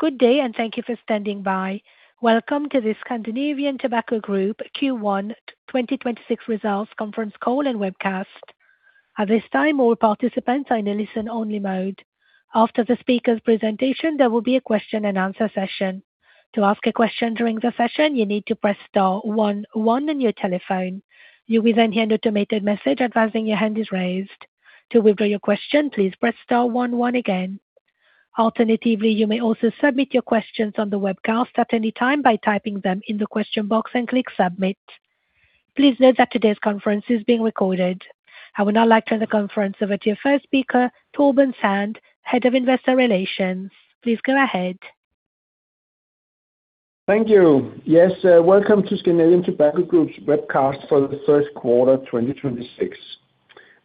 Good day and thank you for standing by. Welcome to the Scandinavian Tobacco Group Q1 2026 Results Conference Call and Webcast. At this time all participants are on listen-only mode. After the speaker presentation, they'll be a question and answer session. To ask a question during the session, you'll need to press one one on your telephone. You'll then receive a message that your hand is raised. To withdraw your question, press one one again. You may also submit your questions on the webcast at any time by typing them in the question box and click submit. Please note that today's conference is being recorded. I would now like to turn the conference over to your first speaker, Torben Sand, Head of Investor Relations. Please go ahead. Thank you. Yes, welcome to Scandinavian Tobacco Group's webcast for the first quarter of 2026.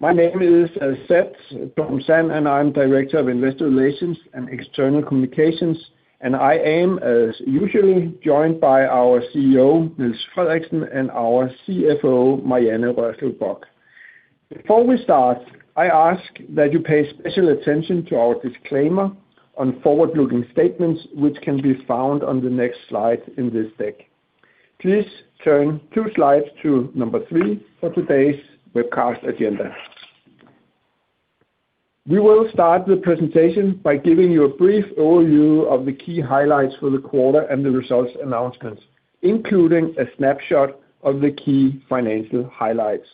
My name is Torben Sand, I'm Director of Investor Relations and External Communications, and I am, as usual, joined by our CEO, Niels Frederiksen, and our CFO, Marianne Rørslev Bock. Before we start, I ask that you pay special attention to our disclaimer on forward-looking statements, which can be found on the next slide in this deck. Please turn two slides to number 3 for today's webcast agenda. We will start the presentation by giving you a brief overview of the key highlights for the quarter and the results announcements, including a snapshot of the key financial highlights.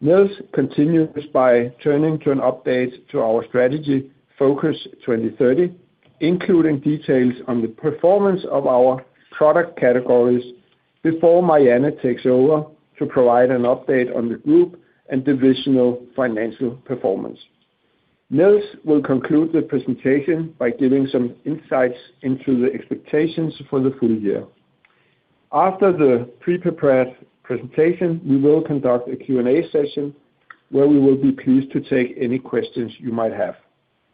Niels continues by turning to an update to our strategy, Focus 2030, including details on the performance of our product categories before Marianne takes over to provide an update on the group and divisional financial performance. Niels will conclude the presentation by giving some insights into the expectations for the full year. After the pre-prepared presentation, we will conduct a Q&A session where we will be pleased to take any questions you might have.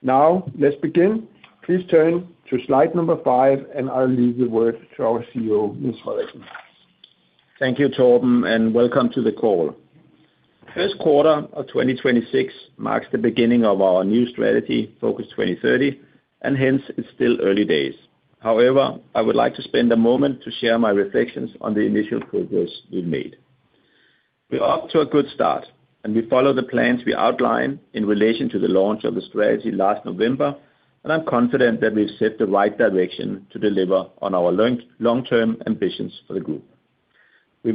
Now, let's begin. Please turn to slide 5, and I'll leave the word to our CEO, Niels Frederiksen. Thank you, Torben, and welcome to the call. First quarter of 2026 marks the beginning of our new strategy, Focus 2030, and hence it's still early days. However, I would like to spend a moment to share my reflections on the initial progress we've made. We are off to a good start, and we follow the plans we outlined in relation to the launch of the strategy last November, and I'm confident that we've set the right direction to deliver on our long-term ambitions for the group. We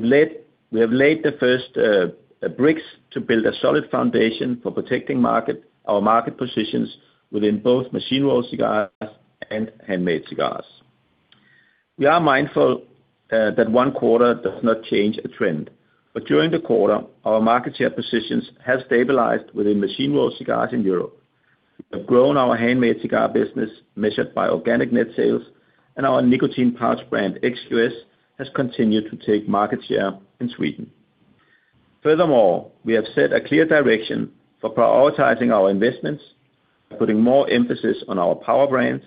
have laid the first bricks to build a solid foundation for protecting our market positions within both machine-rolled cigars and handmade cigars. We are mindful that one quarter does not change a trend, but during the quarter, our market share positions have stabilized within machine-rolled cigars in Europe. We have grown our handmade cigar business measured by organic net sales, and our nicotine pouch brand, XQS, has continued to take market share in Sweden. Furthermore, we have set a clear direction for prioritizing our investments by putting more emphasis on our Power Brands.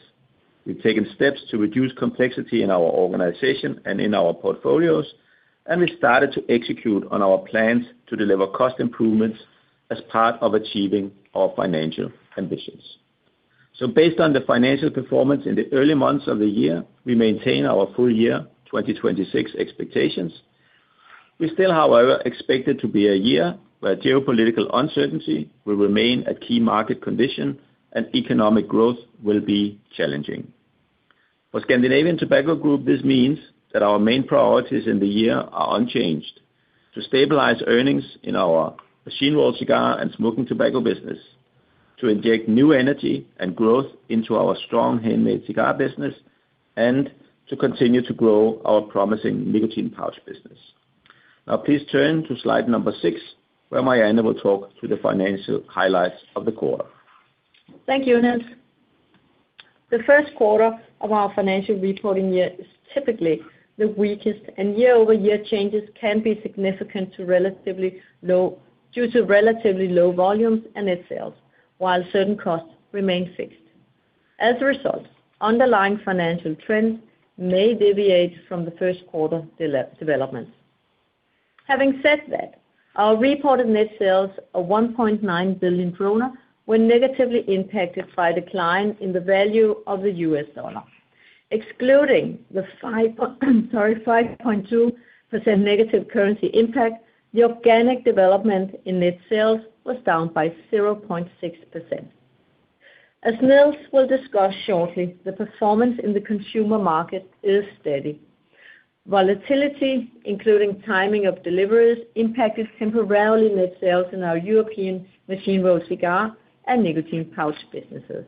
We've taken steps to reduce complexity in our organization and in our portfolios. We started to execute on our plans to deliver cost improvements as part of achieving our financial ambitions. Based on the financial performance in the early months of the year, we maintain our full year 2026 expectations. We still, however, expect it to be a year where geopolitical uncertainty will remain a key market condition and economic growth will be challenging. For Scandinavian Tobacco Group, this means that our main priorities in the year are unchanged: to stabilize earnings in our machine-rolled cigar and smoking tobacco business, to inject new energy and growth into our strong handmade cigar business, and to continue to grow our promising nicotine pouch business. Please turn to slide number 6, where Marianne will talk to the financial highlights of the quarter. Thank you, Niels. The first quarter of our financial reporting year is typically the weakest, and year-over-year changes can be significant due to relatively low volumes and net sales, while certain costs remain fixed. As a result, underlying financial trends may deviate from the first quarter developments. Having said that, our reported net sales of 1.9 billion kroner were negatively impacted by a decline in the value of the U.S. dollar. Excluding the 5.2% negative currency impact, the organic development in net sales was down by 0.6%. As Niels will discuss shortly, the performance in the consumer market is steady. Volatility, including timing of deliveries, impacted temporarily net sales in our European machine-rolled cigar and nicotine pouch businesses.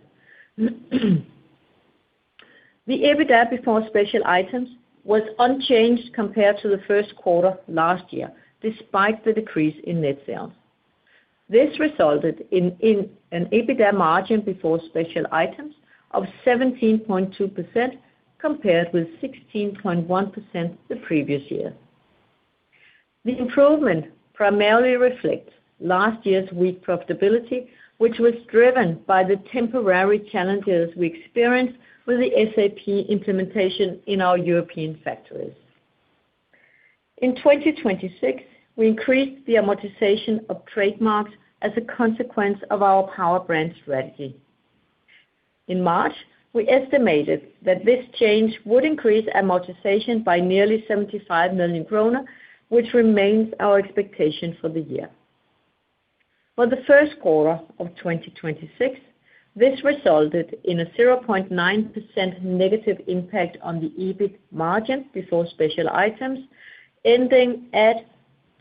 The EBITDA before special items was unchanged compared to the first quarter last year, despite the decrease in net sales. This resulted in an EBITDA margin before special items of 17.2%, compared with 16.1% the previous year. The improvement primarily reflects last year's weak profitability, which was driven by the temporary challenges we experienced with the SAP implementation in our European factories. In 2026, we increased the amortization of trademarks as a consequence of our Power Brands strategy. In March, we estimated that this change would increase amortization by nearly 75 million kroner, which remains our expectation for the year. For the first quarter of 2026, this resulted in a 0.9% negative impact on the EBIT margin before special items, ending at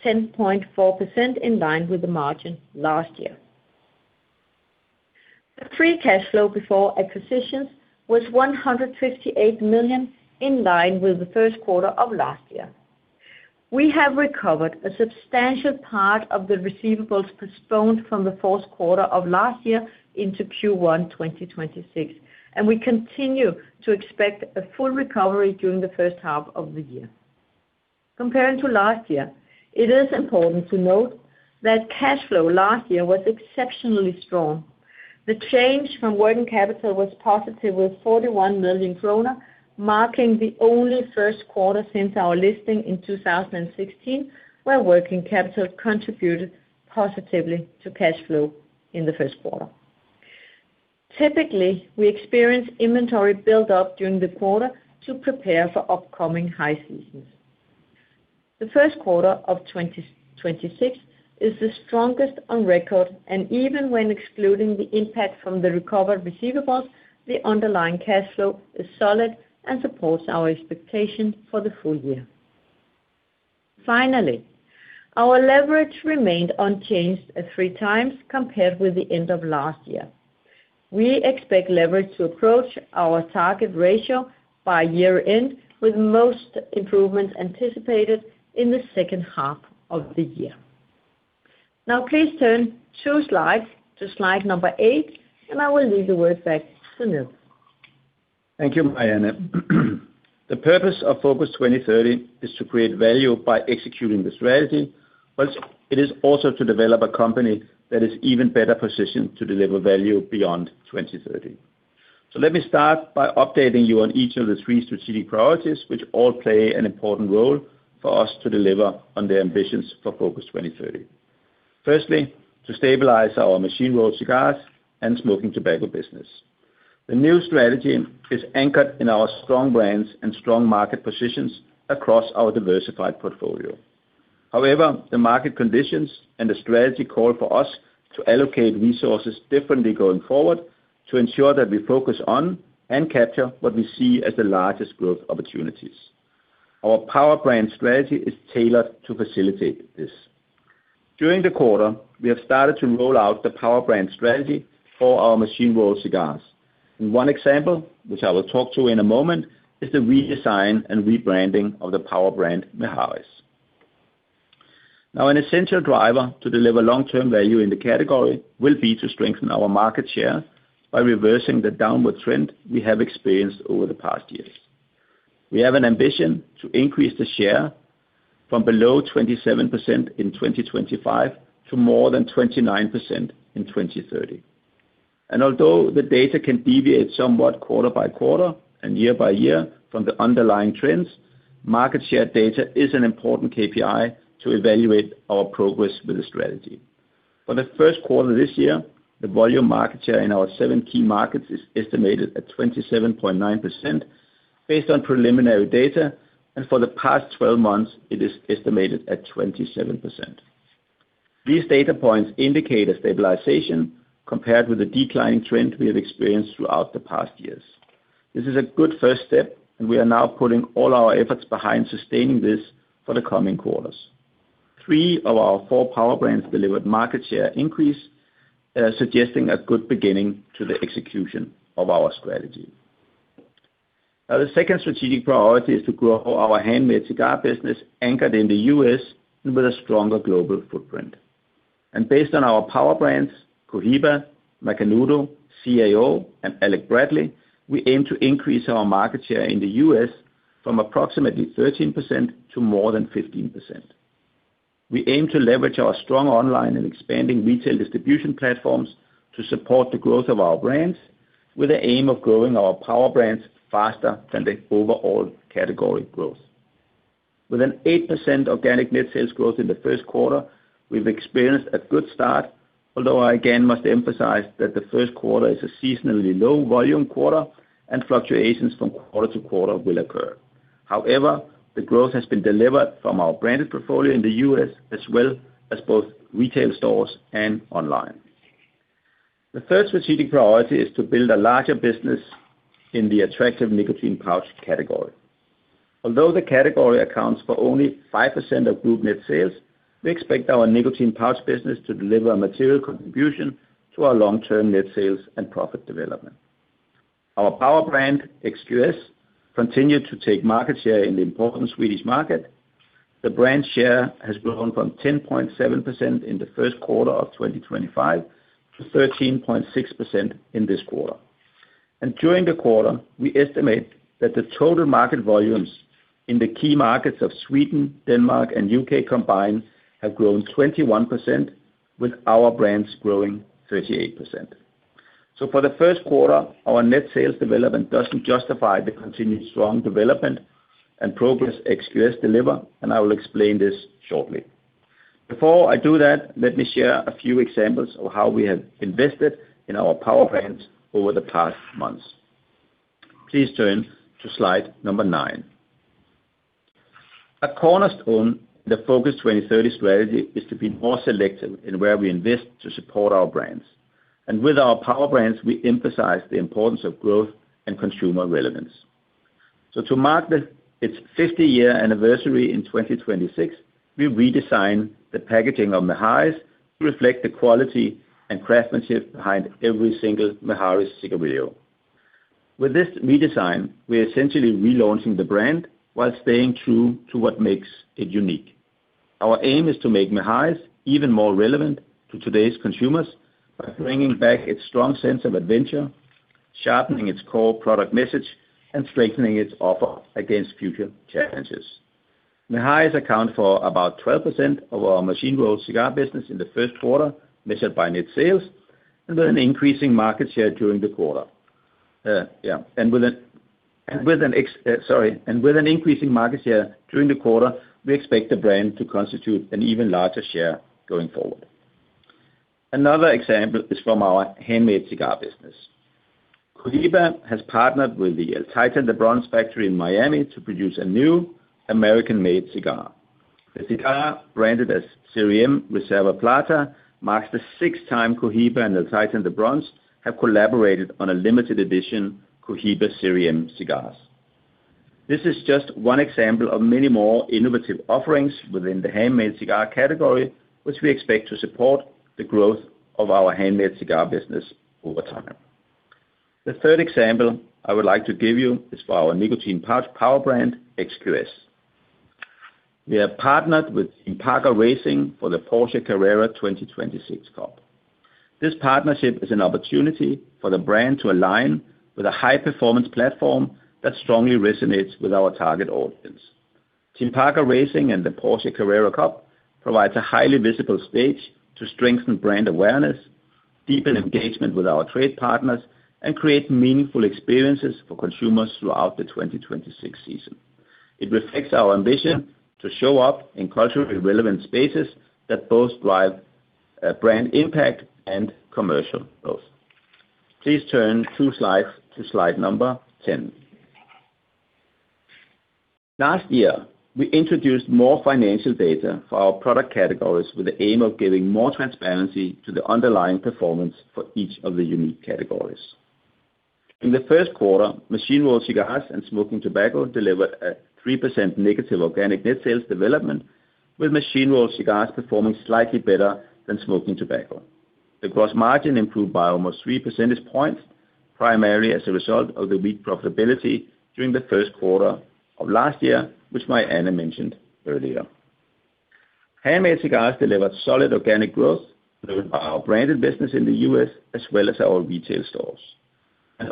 10.4%, in line with the margin last year. The free cash flow before acquisitions was 158 million, in line with the first quarter of last year. We have recovered a substantial part of the receivables postponed from the fourth quarter of last year into Q1 2026, and we continue to expect a full recovery during the first half of the year. Comparing to last year, it is important to note that cash flow last year was exceptionally strong. The change from working capital was positive with 41 million kroner, marking the only first quarter since our listing in 2016, where working capital contributed positively to cash flow in the first quarter. Typically, we experience inventory build up during the quarter to prepare for upcoming high seasons. The first quarter of 2026 is the strongest on record, and even when excluding the impact from the recovered receivables, the underlying cash flow is solid and supports our expectation for the full year. Finally, our leverage remained unchanged at three times compared with the end of last year. We expect leverage to approach our target ratio by year-end, with most improvements anticipated in the second half of the year. Now, please turn two slides to slide number 8, and I will leave the word back to Niels. Thank you, Marianne. The purpose of Focus 2030 is to create value by executing the strategy, but it is also to develop a company that is even better positioned to deliver value beyond 2030. Let me start by updating you on each of the three strategic priorities, which all play an important role for us to deliver on the ambitions for Focus 2030. Firstly, to stabilize our machine-rolled cigars and smoking tobacco business. The new strategy is anchored in our strong brands and strong market positions across our diversified portfolio. However, the market conditions and the strategy call for us to allocate resources differently going forward to ensure that we focus on and capture what we see as the largest growth opportunities. Our Power Brands strategy is tailored to facilitate this. During the quarter, we have started to roll out the Power Brands strategy for our machine-rolled cigars. One example, which I will talk to in a moment, is the redesign and rebranding of the Power Brand Mehari's. Now, an essential driver to deliver long-term value in the category will be to strengthen our market share by reversing the downward trend we have experienced over the past years. We have an ambition to increase the share from below 27% in 2025 to more than 29% in 2030. Although the data can deviate somewhat quarter-by-quarter and year-by-year from the underlying trends, market share data is an important KPI to evaluate our progress with the strategy. For the first quarter this year, the volume market share in our seven key markets is estimated at 27.9% based on preliminary data, and for the past 12 months, it is estimated at 27%. These data points indicate a stabilization compared with the declining trend we have experienced throughout the past years. This is a good first step, and we are now putting all our efforts behind sustaining this for the coming quarters. Three of our four Power Brands delivered market share increase, suggesting a good beginning to the execution of our strategy. Now, the second strategic priority is to grow our handmade cigar business anchored in the U.S. and with a stronger global footprint. Based on our Power Brands, Cohiba, Macanudo, CAO, and Alec Bradley, we aim to increase our market share in the U.S. from approximately 13% to more than 15%. We aim to leverage our strong online and expanding retail distribution platforms to support the growth of our brands with the aim of growing our Power Brands faster than the overall category growth. With an 8% organic net sales growth in the first quarter, we've experienced a good start, although I again must emphasize that the first quarter is a seasonally low volume quarter and fluctuations from quarter to quarter will occur. However, the growth has been delivered from our branded portfolio in the U.S. as well as both retail stores and online. The third strategic priority is to build a larger business in the attractive nicotine pouch category. Although, the category accounts for only 5% of group net sales, we expect our nicotine pouch business to deliver a material contribution to our long-term net sales and profit development. Our Power Brand, XQS, continued to take market share in the important Swedish market. The brand share has grown from 10.7% in the first quarter of 2025 to 13.6% in this quarter. During the quarter, we estimate that the total market volumes in the key markets of Sweden, Denmark, and U.K. combined have grown 21%, with our brands growing 38%. For the first quarter, our net sales development doesn't justify the continued strong development and progress XQS deliver, and I will explain this shortly. Before I do that, let me share a few examples of how we have invested in our Power Brands over the past months. Please turn to slide number 9. A cornerstone of the Focus 2030 strategy is to be more selective in where we invest to support our brands. With our Power Brands, we emphasize the importance of growth and consumer relevance. To mark its 50-year anniversary in 2026, we redesigned the packaging of Mehari to reflect the quality and craftsmanship behind every single Mehari cigarillo. With this redesign, we are essentially relaunching the brand while staying true to what makes it unique. Our aim is to make Mehari even more relevant to today's consumers by bringing back its strong sense of adventure, sharpening its core product message, and strengthening its offer against future challenges. Mehari accounts for about 12% of our machine-rolled cigar business in the first quarter, measured by net sales, and with an increasing market share during the quarter, we expect the brand to constitute an even larger share going forward. Another example is from our handmade cigar business. Cohiba has partnered with the El Titan de Bronze factory in Miami to produce a new American-made cigar. The cigar, branded as Serie M Reserva Plata, marks the sixth time Cohiba and El Titan de Bronze have collaborated on a limited edition Cohiba Serie M cigars. This is just one example of many more innovative offerings within the handmade cigar category, which we expect to support the growth of our handmade cigar business over time. The third example I would like to give you is for our nicotine pouch Power Brand, XQS. We have partnered with Team Parker Racing for the Porsche Carrera 2026 Cup. This partnership is an opportunity for the brand to align with a high-performance platform that strongly resonates with our target audience. Team Parker Racing and the Porsche Carrera Cup provides a highly visible stage to strengthen brand awareness, deepen engagement with our trade partners, and create meaningful experiences for consumers throughout the 2026 season. It reflects our ambition to show up in culturally relevant spaces that both drive brand impact and commercial growth. Please turn two slides to slide number 10. Last year, we introduced more financial data for our product categories with the aim of giving more transparency to the underlying performance for each of the unique categories. In the first quarter, machine-rolled cigars and smoking tobacco delivered a 3% negative organic net sales development, with machine-rolled cigars performing slightly better than smoking tobacco. The gross margin improved by almost 3 percentage points, primarily as a result of the weak profitability during the first quarter of last year, which Marianne mentioned earlier. Handmade cigars delivered solid organic growth driven by our branded business in the U.S. as well as our retail stores.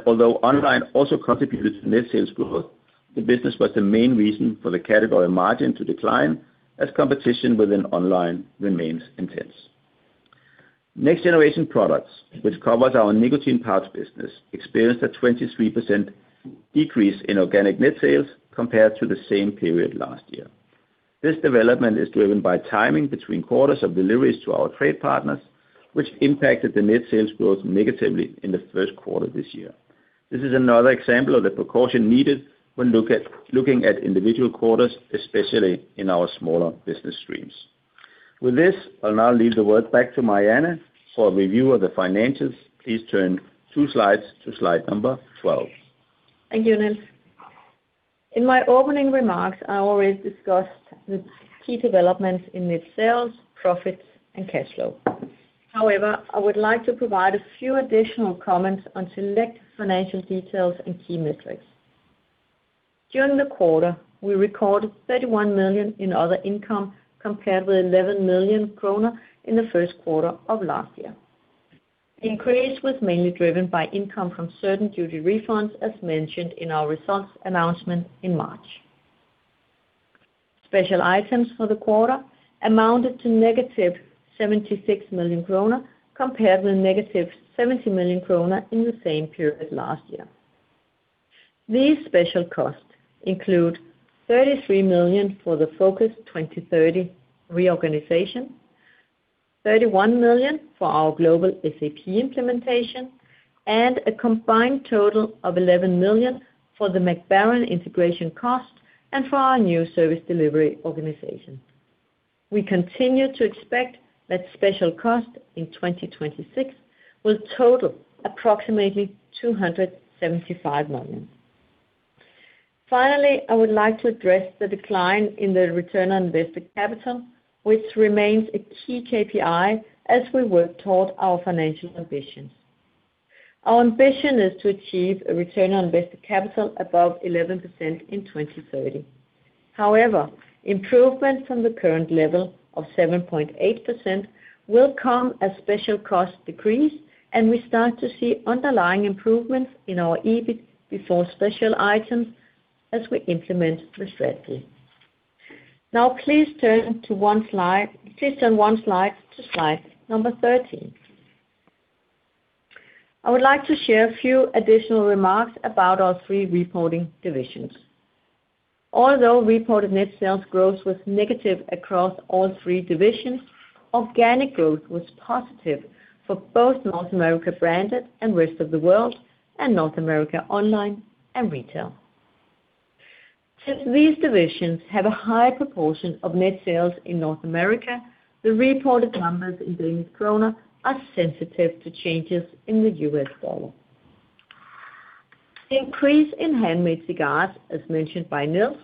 Although online also contributed to net sales growth, the business was the main reason for the category margin to decline, as competition within online remains intense. Next-generation products, which covers our nicotine pouch business, experienced a 23% decrease in organic net sales compared to the same period last year. This development is driven by timing between quarters of deliveries to our trade partners, which impacted the net sales growth negatively in the first quarter this year. This is another example of the precaution needed when looking at individual quarters, especially in our smaller business streams. With this, I'll now leave the word back to Marianne for a review of the financials. Please turn two slides to slide number 12. Thank you, Niels. In my opening remarks, I already discussed the key developments in net sales, profits, and cash flow. However, I would like to provide a few additional comments on select financial details and key metrics. During the quarter, we recorded 31 million in other income, compared with 11 million kroner in the first quarter of last year. The increase was mainly driven by income from certain duty refunds, as mentioned in our results announcement in March. Special items for the quarter amounted to negative 76 million kroner, compared with negative 70 million kroner in the same period last year. These special costs include 33 million for the Focus 2030 reorganization, 31 million for our global SAP implementation, and a combined total of 11 million for the Mac Baren integration cost and for our new service delivery organization. We continue to expect that special costs in 2026 will total approximately 275 million. Finally, I would like to address the decline in the return on invested capital, which remains a key KPI as we work toward our financial ambitions. Our ambition is to achieve a return on invested capital above 11% in 2030. However, improvement from the current level of 7.8% will come as special cost decrease, and we start to see underlying improvements in our EBIT before special items as we implement the strategy. Now please turn one slide to slide 13. I would like to share a few additional remarks about our three reporting divisions. Although reported net sales growth was negative across all three divisions, organic growth was positive for both North America Branded and rest of the world, and North America Online & Retail. Since these divisions have a high proportion of net sales in North America, the reported numbers in DKK are sensitive to changes in the U.S. dollar. The increase in handmade cigars, as mentioned by Niels,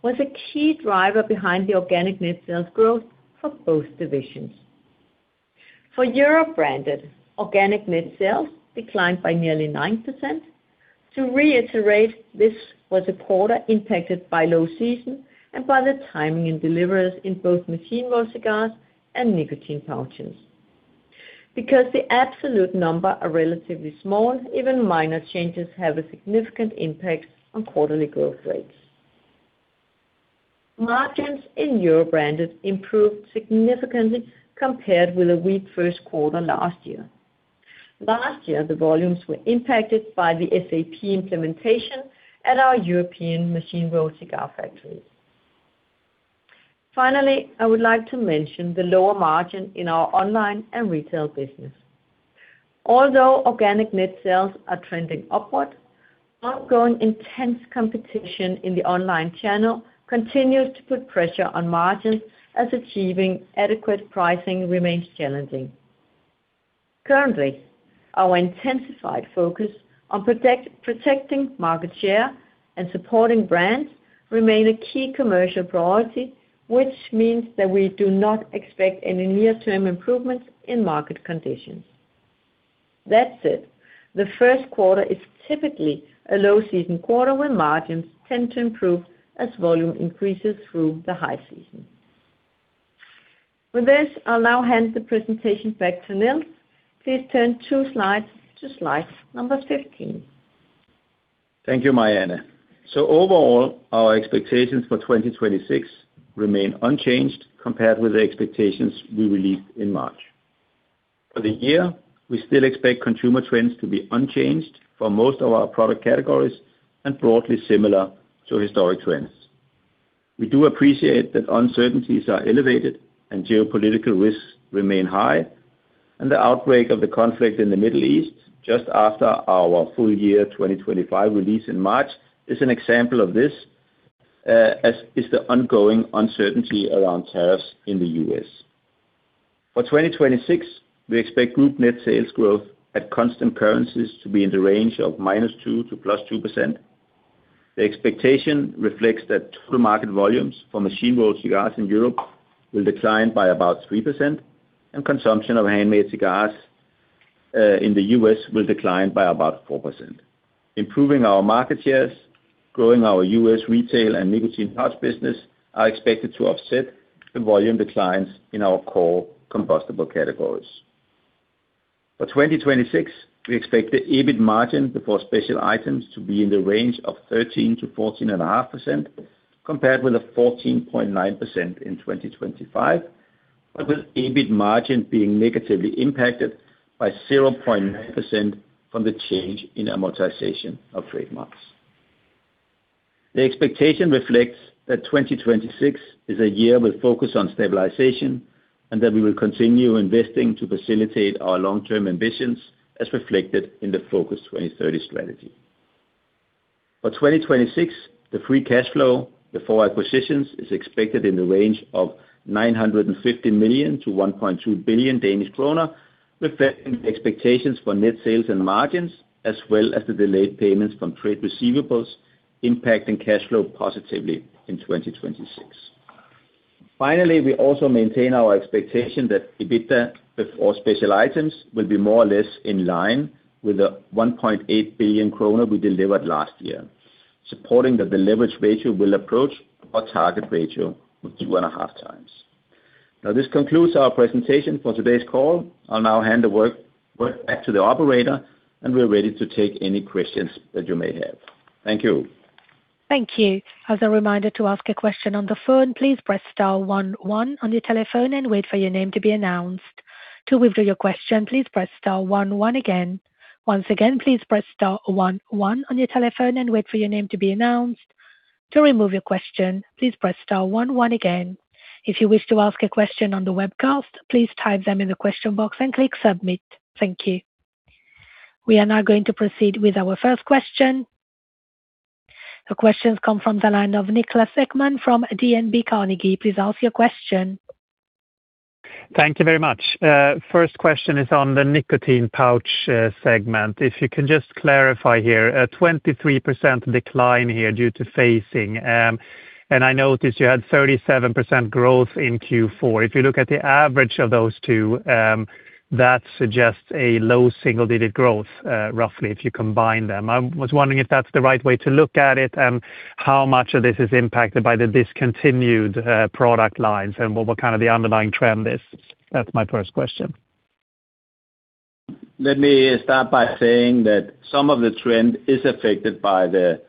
was a key driver behind the organic net sales growth for both divisions. For Europe Branded, organic net sales declined by nearly 9%. To reiterate, this was a quarter impacted by low season and by the timing and deliveries in both machine-rolled cigars and nicotine pouches. Because the absolute numbers are relatively small, even minor changes have a significant impact on quarterly growth rates. Margins in Europe Branded improved significantly compared with a weak first quarter last year. Last year, the volumes were impacted by the SAP implementation at our European machine-rolled cigar factories. Finally, I would like to mention the lower margin in our online and retail business. Although, organic net sales are trending upward, ongoing intense competition in the online channel continues to put pressure on margins as achieving adequate pricing remains challenging. Currently, our intensified focus on protecting market share and supporting brands remain a key commercial priority, which means that we do not expect any near-term improvements in market conditions. That said, the first quarter is typically a low season quarter where margins tend to improve as volume increases through the high season. With this, I'll now hand the presentation back to Niels. Please turn two slides to slide number 15. Thank you, Marianne. Overall, our expectations for 2026 remain unchanged compared with the expectations we released in March. For the year, we still expect consumer trends to be unchanged for most of our product categories and broadly similar to historic trends. We do appreciate that uncertainties are elevated and geopolitical risks remain high, and the outbreak of the conflict in the Middle East just after our full year 2025 release in March is an example of this, as is the ongoing uncertainty around tariffs in the U.S. For 2026, we expect group net sales growth at constant currencies to be in the range of -2% to +2%. The expectation reflects that total market volumes for machine-rolled cigars in Europe will decline by about 3%, and consumption of handmade cigars in the U.S. will decline by about 4%. Improving our market shares, growing our U.S. retail and nicotine pouch business are expected to offset the volume declines in our core combustible categories. For 2026, we expect the EBIT margin before special items to be in the range of 13%-14.5%, compared with a 14.9% in 2025, but with EBIT margin being negatively impacted by 0.9% from the change in amortization of trademarks. The expectation reflects that 2026 is a year with focus on stabilization and that we will continue investing to facilitate our long-term ambitions as reflected in the Focus 2030 strategy. For 2026, the free cash flow before acquisitions is expected in the range of 950 million-1.2 billion Danish krone, reflecting the expectations for net sales and margins, as well as the delayed payments from trade receivables impacting cash flow positively in 2026. Finally, we also maintain our expectation that EBITDA before special items will be more or less in line with the 1.8 billion kroner we delivered last year, supporting that the leverage ratio will approach our target ratio of 2.5 times. Now this concludes our presentation for today's call. I'll now hand the work back to the operator, and we're ready to take any questions that you may have. Thank you. Thank you. As a reminder to ask a question on the phone, please press star one one on your telephone and wait for your name to be announced. To withdraw your question, please press star one one again. Once again, please press star one one on your telephone and wait for your name to be announced. To remove your question, please press star one one again. If you wish to ask a question on the webcast, please type them in the question box and click submit. Thank you. We are now going to proceed with our first question. The questions come from the line of Niklas Ekman from DNB Carnegie. Please ask your question. Thank you very much. First question is on the nicotine pouch segment. If you can just clarify here, a 23% decline here due to phasing. I noticed you had 37% growth in Q4. If you look at the average of those two, that suggests a low single-digit growth, roughly, if you combine them. I was wondering if that's the right way to look at it, and how much of this is impacted by the discontinued product lines and what the underlying trend is? That's my first question. Let me start by saying that some of the trend is affected by the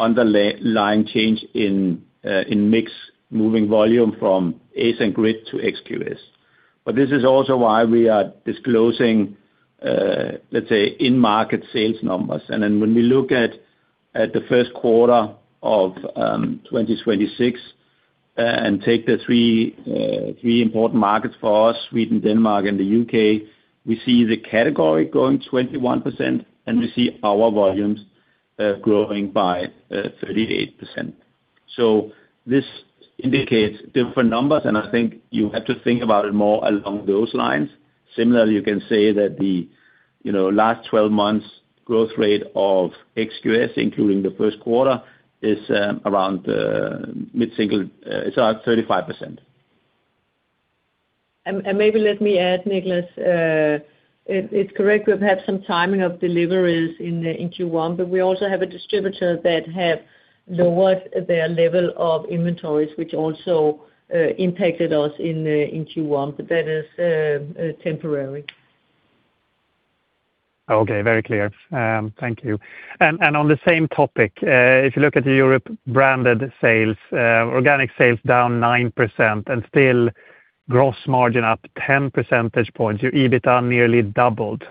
underlying change in mix moving volume from Ace and GRITT to XQS, this is also why we are disclosing, let's say, in-market sales numbers. When we look at the first quarter of 2026 and take the three important markets for us, Sweden, Denmark and the U.K., we see the category growing 21% we see our volumes growing by 38%. This indicates different numbers, I think you have to think about it more along those lines. Similarly, you can say that the last 12 months growth rate of XQS, including the first quarter, is around mid-single, it's around 35%. Maybe let me add, Niklas, it's correct. We've had some timing of deliveries in Q1, but we also have a distributor that have lowered their level of inventories, which also impacted us in Q1, but that is temporary. Okay, very clear. Thank you. On the same topic, if you look at the Europe Branded sales, organic sales down 9% and still gross margin up 10 percentage points, your EBIT are nearly doubled.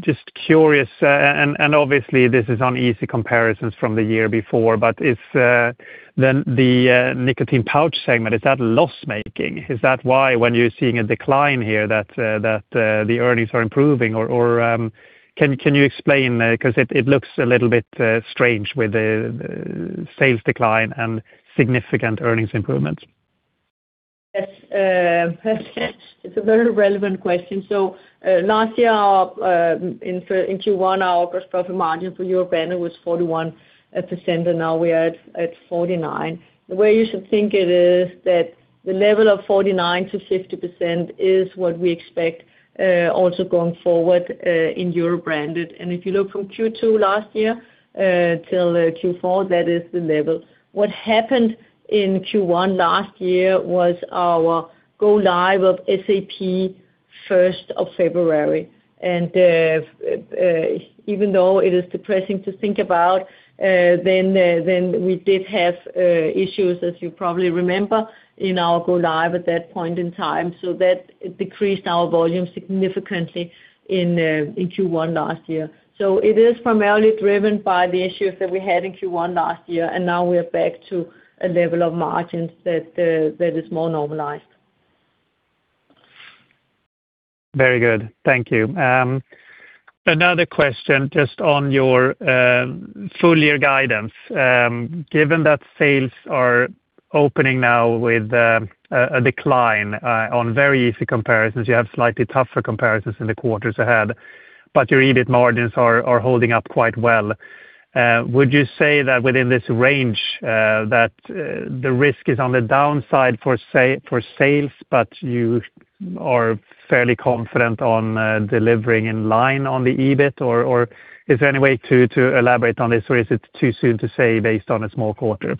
Just curious, and obviously this is on easy comparisons from the year before, but if then the nicotine pouch segment, is that loss-making? Is that why when you're seeing a decline here that the earnings are improving? Can you explain? It looks a little bit strange with the sales decline and significant earnings improvements. Yes, it's a very relevant question. Last year, in Q1, our gross profit margin for Europe Branded was 41%, now we are at 49%. The way you should think it is that the level of 49%-50% is what we expect also going forward in Europe Branded. If you look from Q2 last year till Q4, that is the level. What happened in Q1 last year was our go live of SAP 1st of February. Even though it is depressing to think about, then we did have issues, as you probably remember, in our go live at that point in time. That decreased our volume significantly in Q1 last year. It is primarily driven by the issues that we had in Q1 last year, and now we are back to a level of margins that is more normalized. Very good. Thank you. Another question just on your full-year guidance. Given that sales are opening now with a decline on very easy comparisons, you have slightly tougher comparisons in the quarters ahead, but your EBIT margins are holding up quite well. Would you say that within this range that the risk is on the downside for sales, but you are fairly confident on delivering in line on the EBIT? Is there any way to elaborate on this, or is it too soon to say based on a small quarter?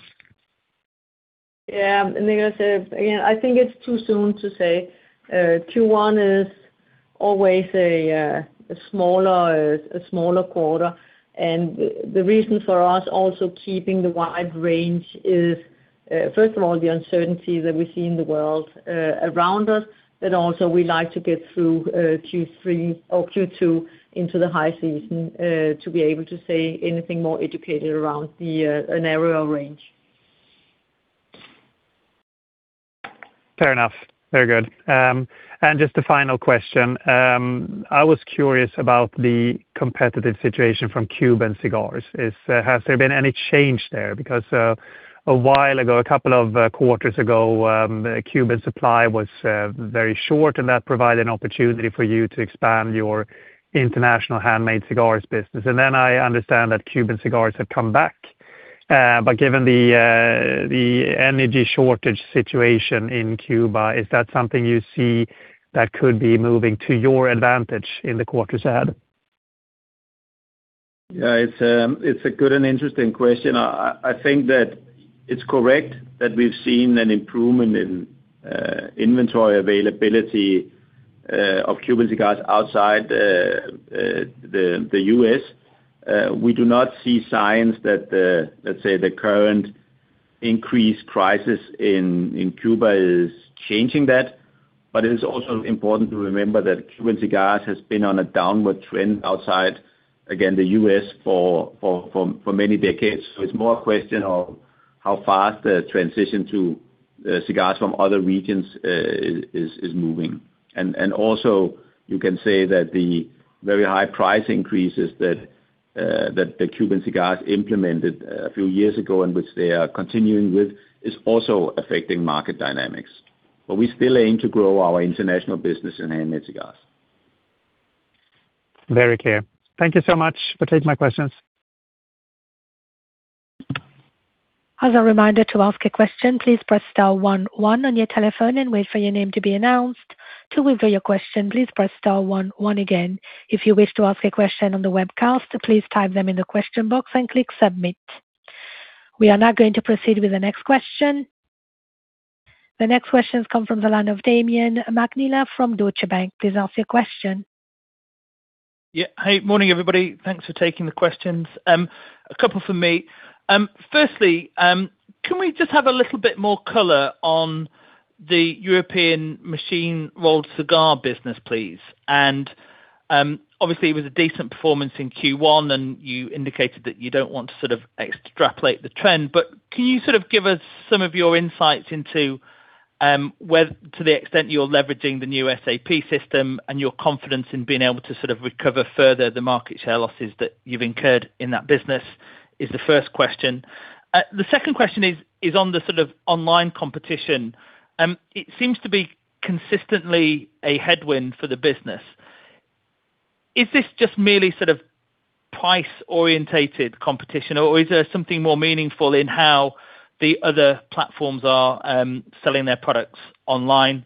Yeah, Niklas, again, I think it's too soon to say. Q1 is always a smaller quarter. The reason for us also keeping the wide range is, first of all, the uncertainty that we see in the world around us, but also we like to get through Q3 or Q2 into the high season to be able to say anything more educated around a narrow range. Fair enough. Very good. Just a final question. I was curious about the competitive situation from Cuban cigars. Has there been any change there? Because a while ago, a couple of quarters ago, Cuban supply was very short, and that provided an opportunity for you to expand your international handmade cigars business. I understand that Cuban cigars have come back. Given the energy shortage situation in Cuba, is that something you see that could be moving to your advantage in the quarters ahead? It's a good and interesting question. I think that it's correct that we've seen an improvement in inventory availability of Cuban cigars outside the U.S. We do not see signs that the current increased prices in Cuba is changing that, but it is also important to remember that Cuban cigars has been on a downward trend outside, again, the U.S. for many decades. It's more a question of how fast the transition to cigars from other regions is moving. Also, you can say that the very high price increases that the Cuban cigars implemented a few years ago, and which they are continuing with, is also affecting market dynamics. We still aim to grow our international business in handmade cigars. Very clear. Thank you so much for taking my questions. As a reminder, to ask a question, please press star one one on your telephone and wait for your name to be announced. To withdraw your question please press one one again. If you wish to ask your question on the webcast, please type them on the question box and click submit. We are now going to proceed with the next question. The next questions come from the line of Damian McNeela from Deutsche Numis. Please ask your question. Yeah. Hey, morning, everybody. Thanks for taking the questions. A couple from me. Firstly, can we just have a little bit more color on the European machine-rolled cigar business, please? Obviously, it was a decent performance in Q1, and you indicated that you don't want to extrapolate the trend, but can you give us some of your insights into, to the extent you're leveraging the new SAP system and your confidence in being able to sort of recover further the market share losses that you've incurred in that business? Is the first question. The second question is on the online competition. It seems to be consistently a headwind for the business. Is this just merely price-orientated competition, or is there something more meaningful in how the other platforms are selling their products online?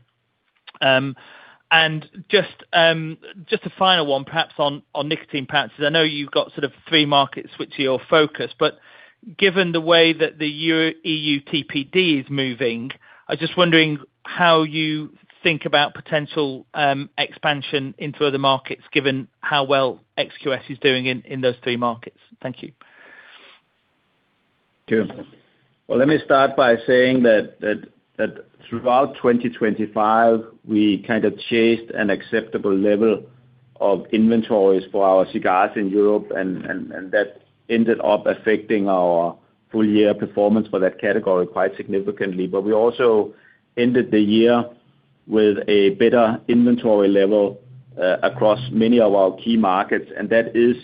Just a final one, perhaps on nicotine pouches. I know you've got sort of three markets which are your focus, but given the way that the EU TPD is moving, I was just wondering how you think about potential expansion into other markets, given how well XQS is doing in those three markets. Thank you. Sure. Well, let me start by saying that throughout 2025, we kind of chased an acceptable level of inventories for our cigars in Europe, and that ended up affecting our full-year performance for that category quite significantly. We also ended the year with a better inventory level across many of our key markets, and that is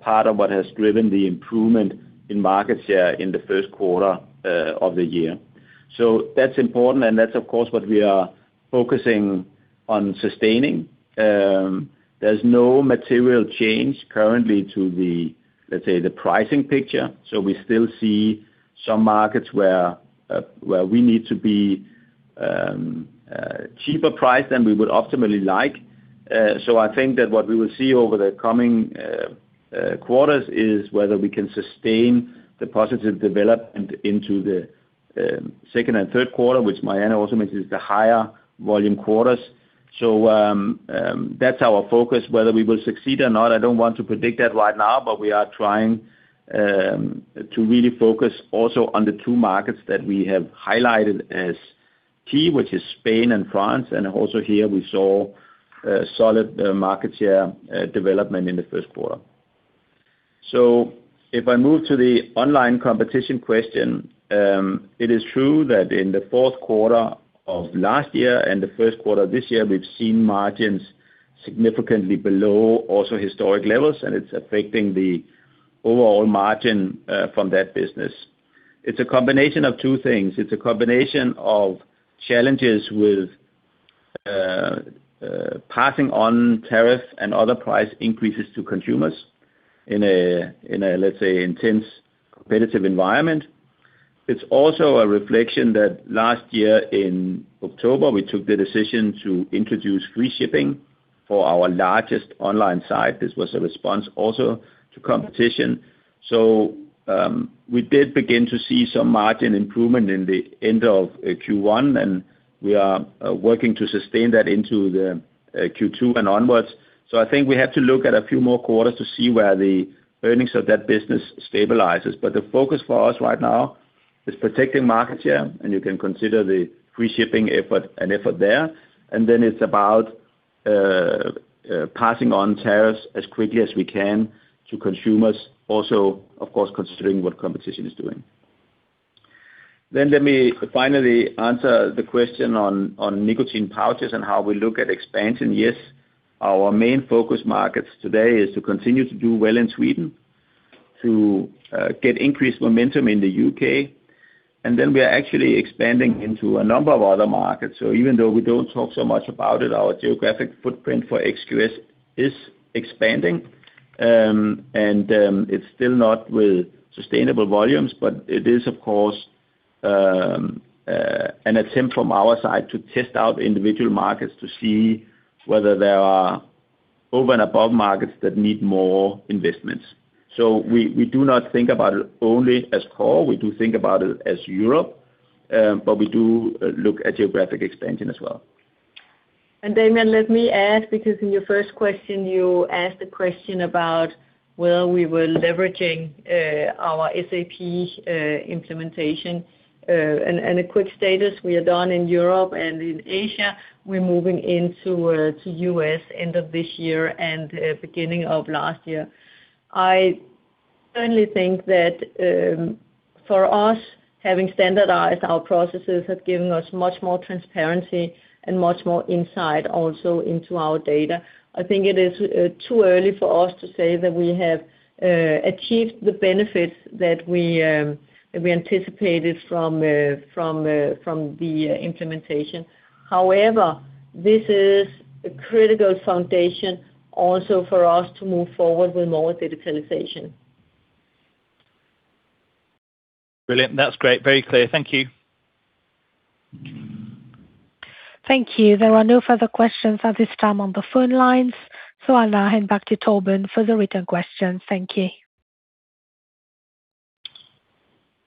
part of what has driven the improvement in market share in the first quarter of the year. That's important, and that's of course, what we are focusing on sustaining. There's no material change currently to the, let's say, the pricing picture. We still see some markets where we need to be cheaper price than we would optimally like. I think that what we will see over the coming quarters is whether we can sustain the positive development into the second and third quarter, which Marianne also mentions, the higher volume quarters. That's our focus. Whether we will succeed or not, I don't want to predict that right now, but we are trying to really focus also on the two markets that we have highlighted as key, which is Spain and France. Also here we saw solid market share development in the first quarter. If I move to the online competition question, it is true that in the fourth quarter of last year and the first quarter this year, we've seen margins significantly below also historic levels, and it's affecting the overall margin from that business. It's a combination of two things. It's a combination of challenges with passing on tariff and other price increases to consumers in a, let's say, intense competitive environment. It's also a reflection that last year in October, we took the decision to introduce free shipping for our largest online site. This was a response also to competition. We did begin to see some margin improvement in the end of Q1, and we are working to sustain that into the Q2 and onwards. I think we have to look at a few more quarters to see where the earnings of that business stabilizes. The focus for us right now is protecting market share, and you can consider the free shipping effort an effort there, and then it's about passing on tariffs as quickly as we can to consumers also, of course, considering what competition is doing. Let me finally answer the question on nicotine pouches and how we look at expansion. Yes, our main focus markets today is to continue to do well in Sweden, to get increased momentum in the U.K., and then we are actually expanding into a number of other markets. Even though we don't talk so much about it, our geographic footprint for XQS is expanding. It's still not with sustainable volumes, but it is of course, an attempt from our side to test out individual markets to see whether there are over and above markets that need more investments. We do not think about it only as core. We do think about it as Europe. We do look at geographic expansion as well. Damian, let me add, because in your first question, you asked a question about whether we were leveraging our SAP implementation. A quick status, we are done in Europe and in Asia. We're moving into U.S. end of this year and beginning of last year. I certainly think that for us, having standardized our processes has given us much more transparency and much more insight also into our data. I think it is too early for us to say that we have achieved the benefits that we anticipated from the implementation. However, this is a critical foundation also for us to move forward with more digitalization. Brilliant. That's great. Very clear. Thank you. Thank you. There are no further questions at this time on the phone lines. I'll now hand back to Torben for the written questions. Thank you.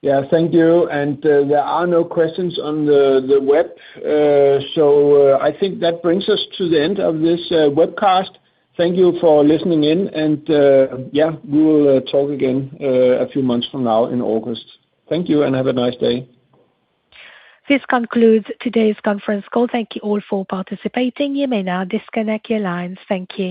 Yeah. Thank you. There are no questions on the web. I think that brings us to the end of this webcast. Thank you for listening in. Yeah, we will talk again a few months from now in August. Thank you and have a nice day. This concludes today's conference call. Thank you all for participating. You may now disconnect your lines. Thank you.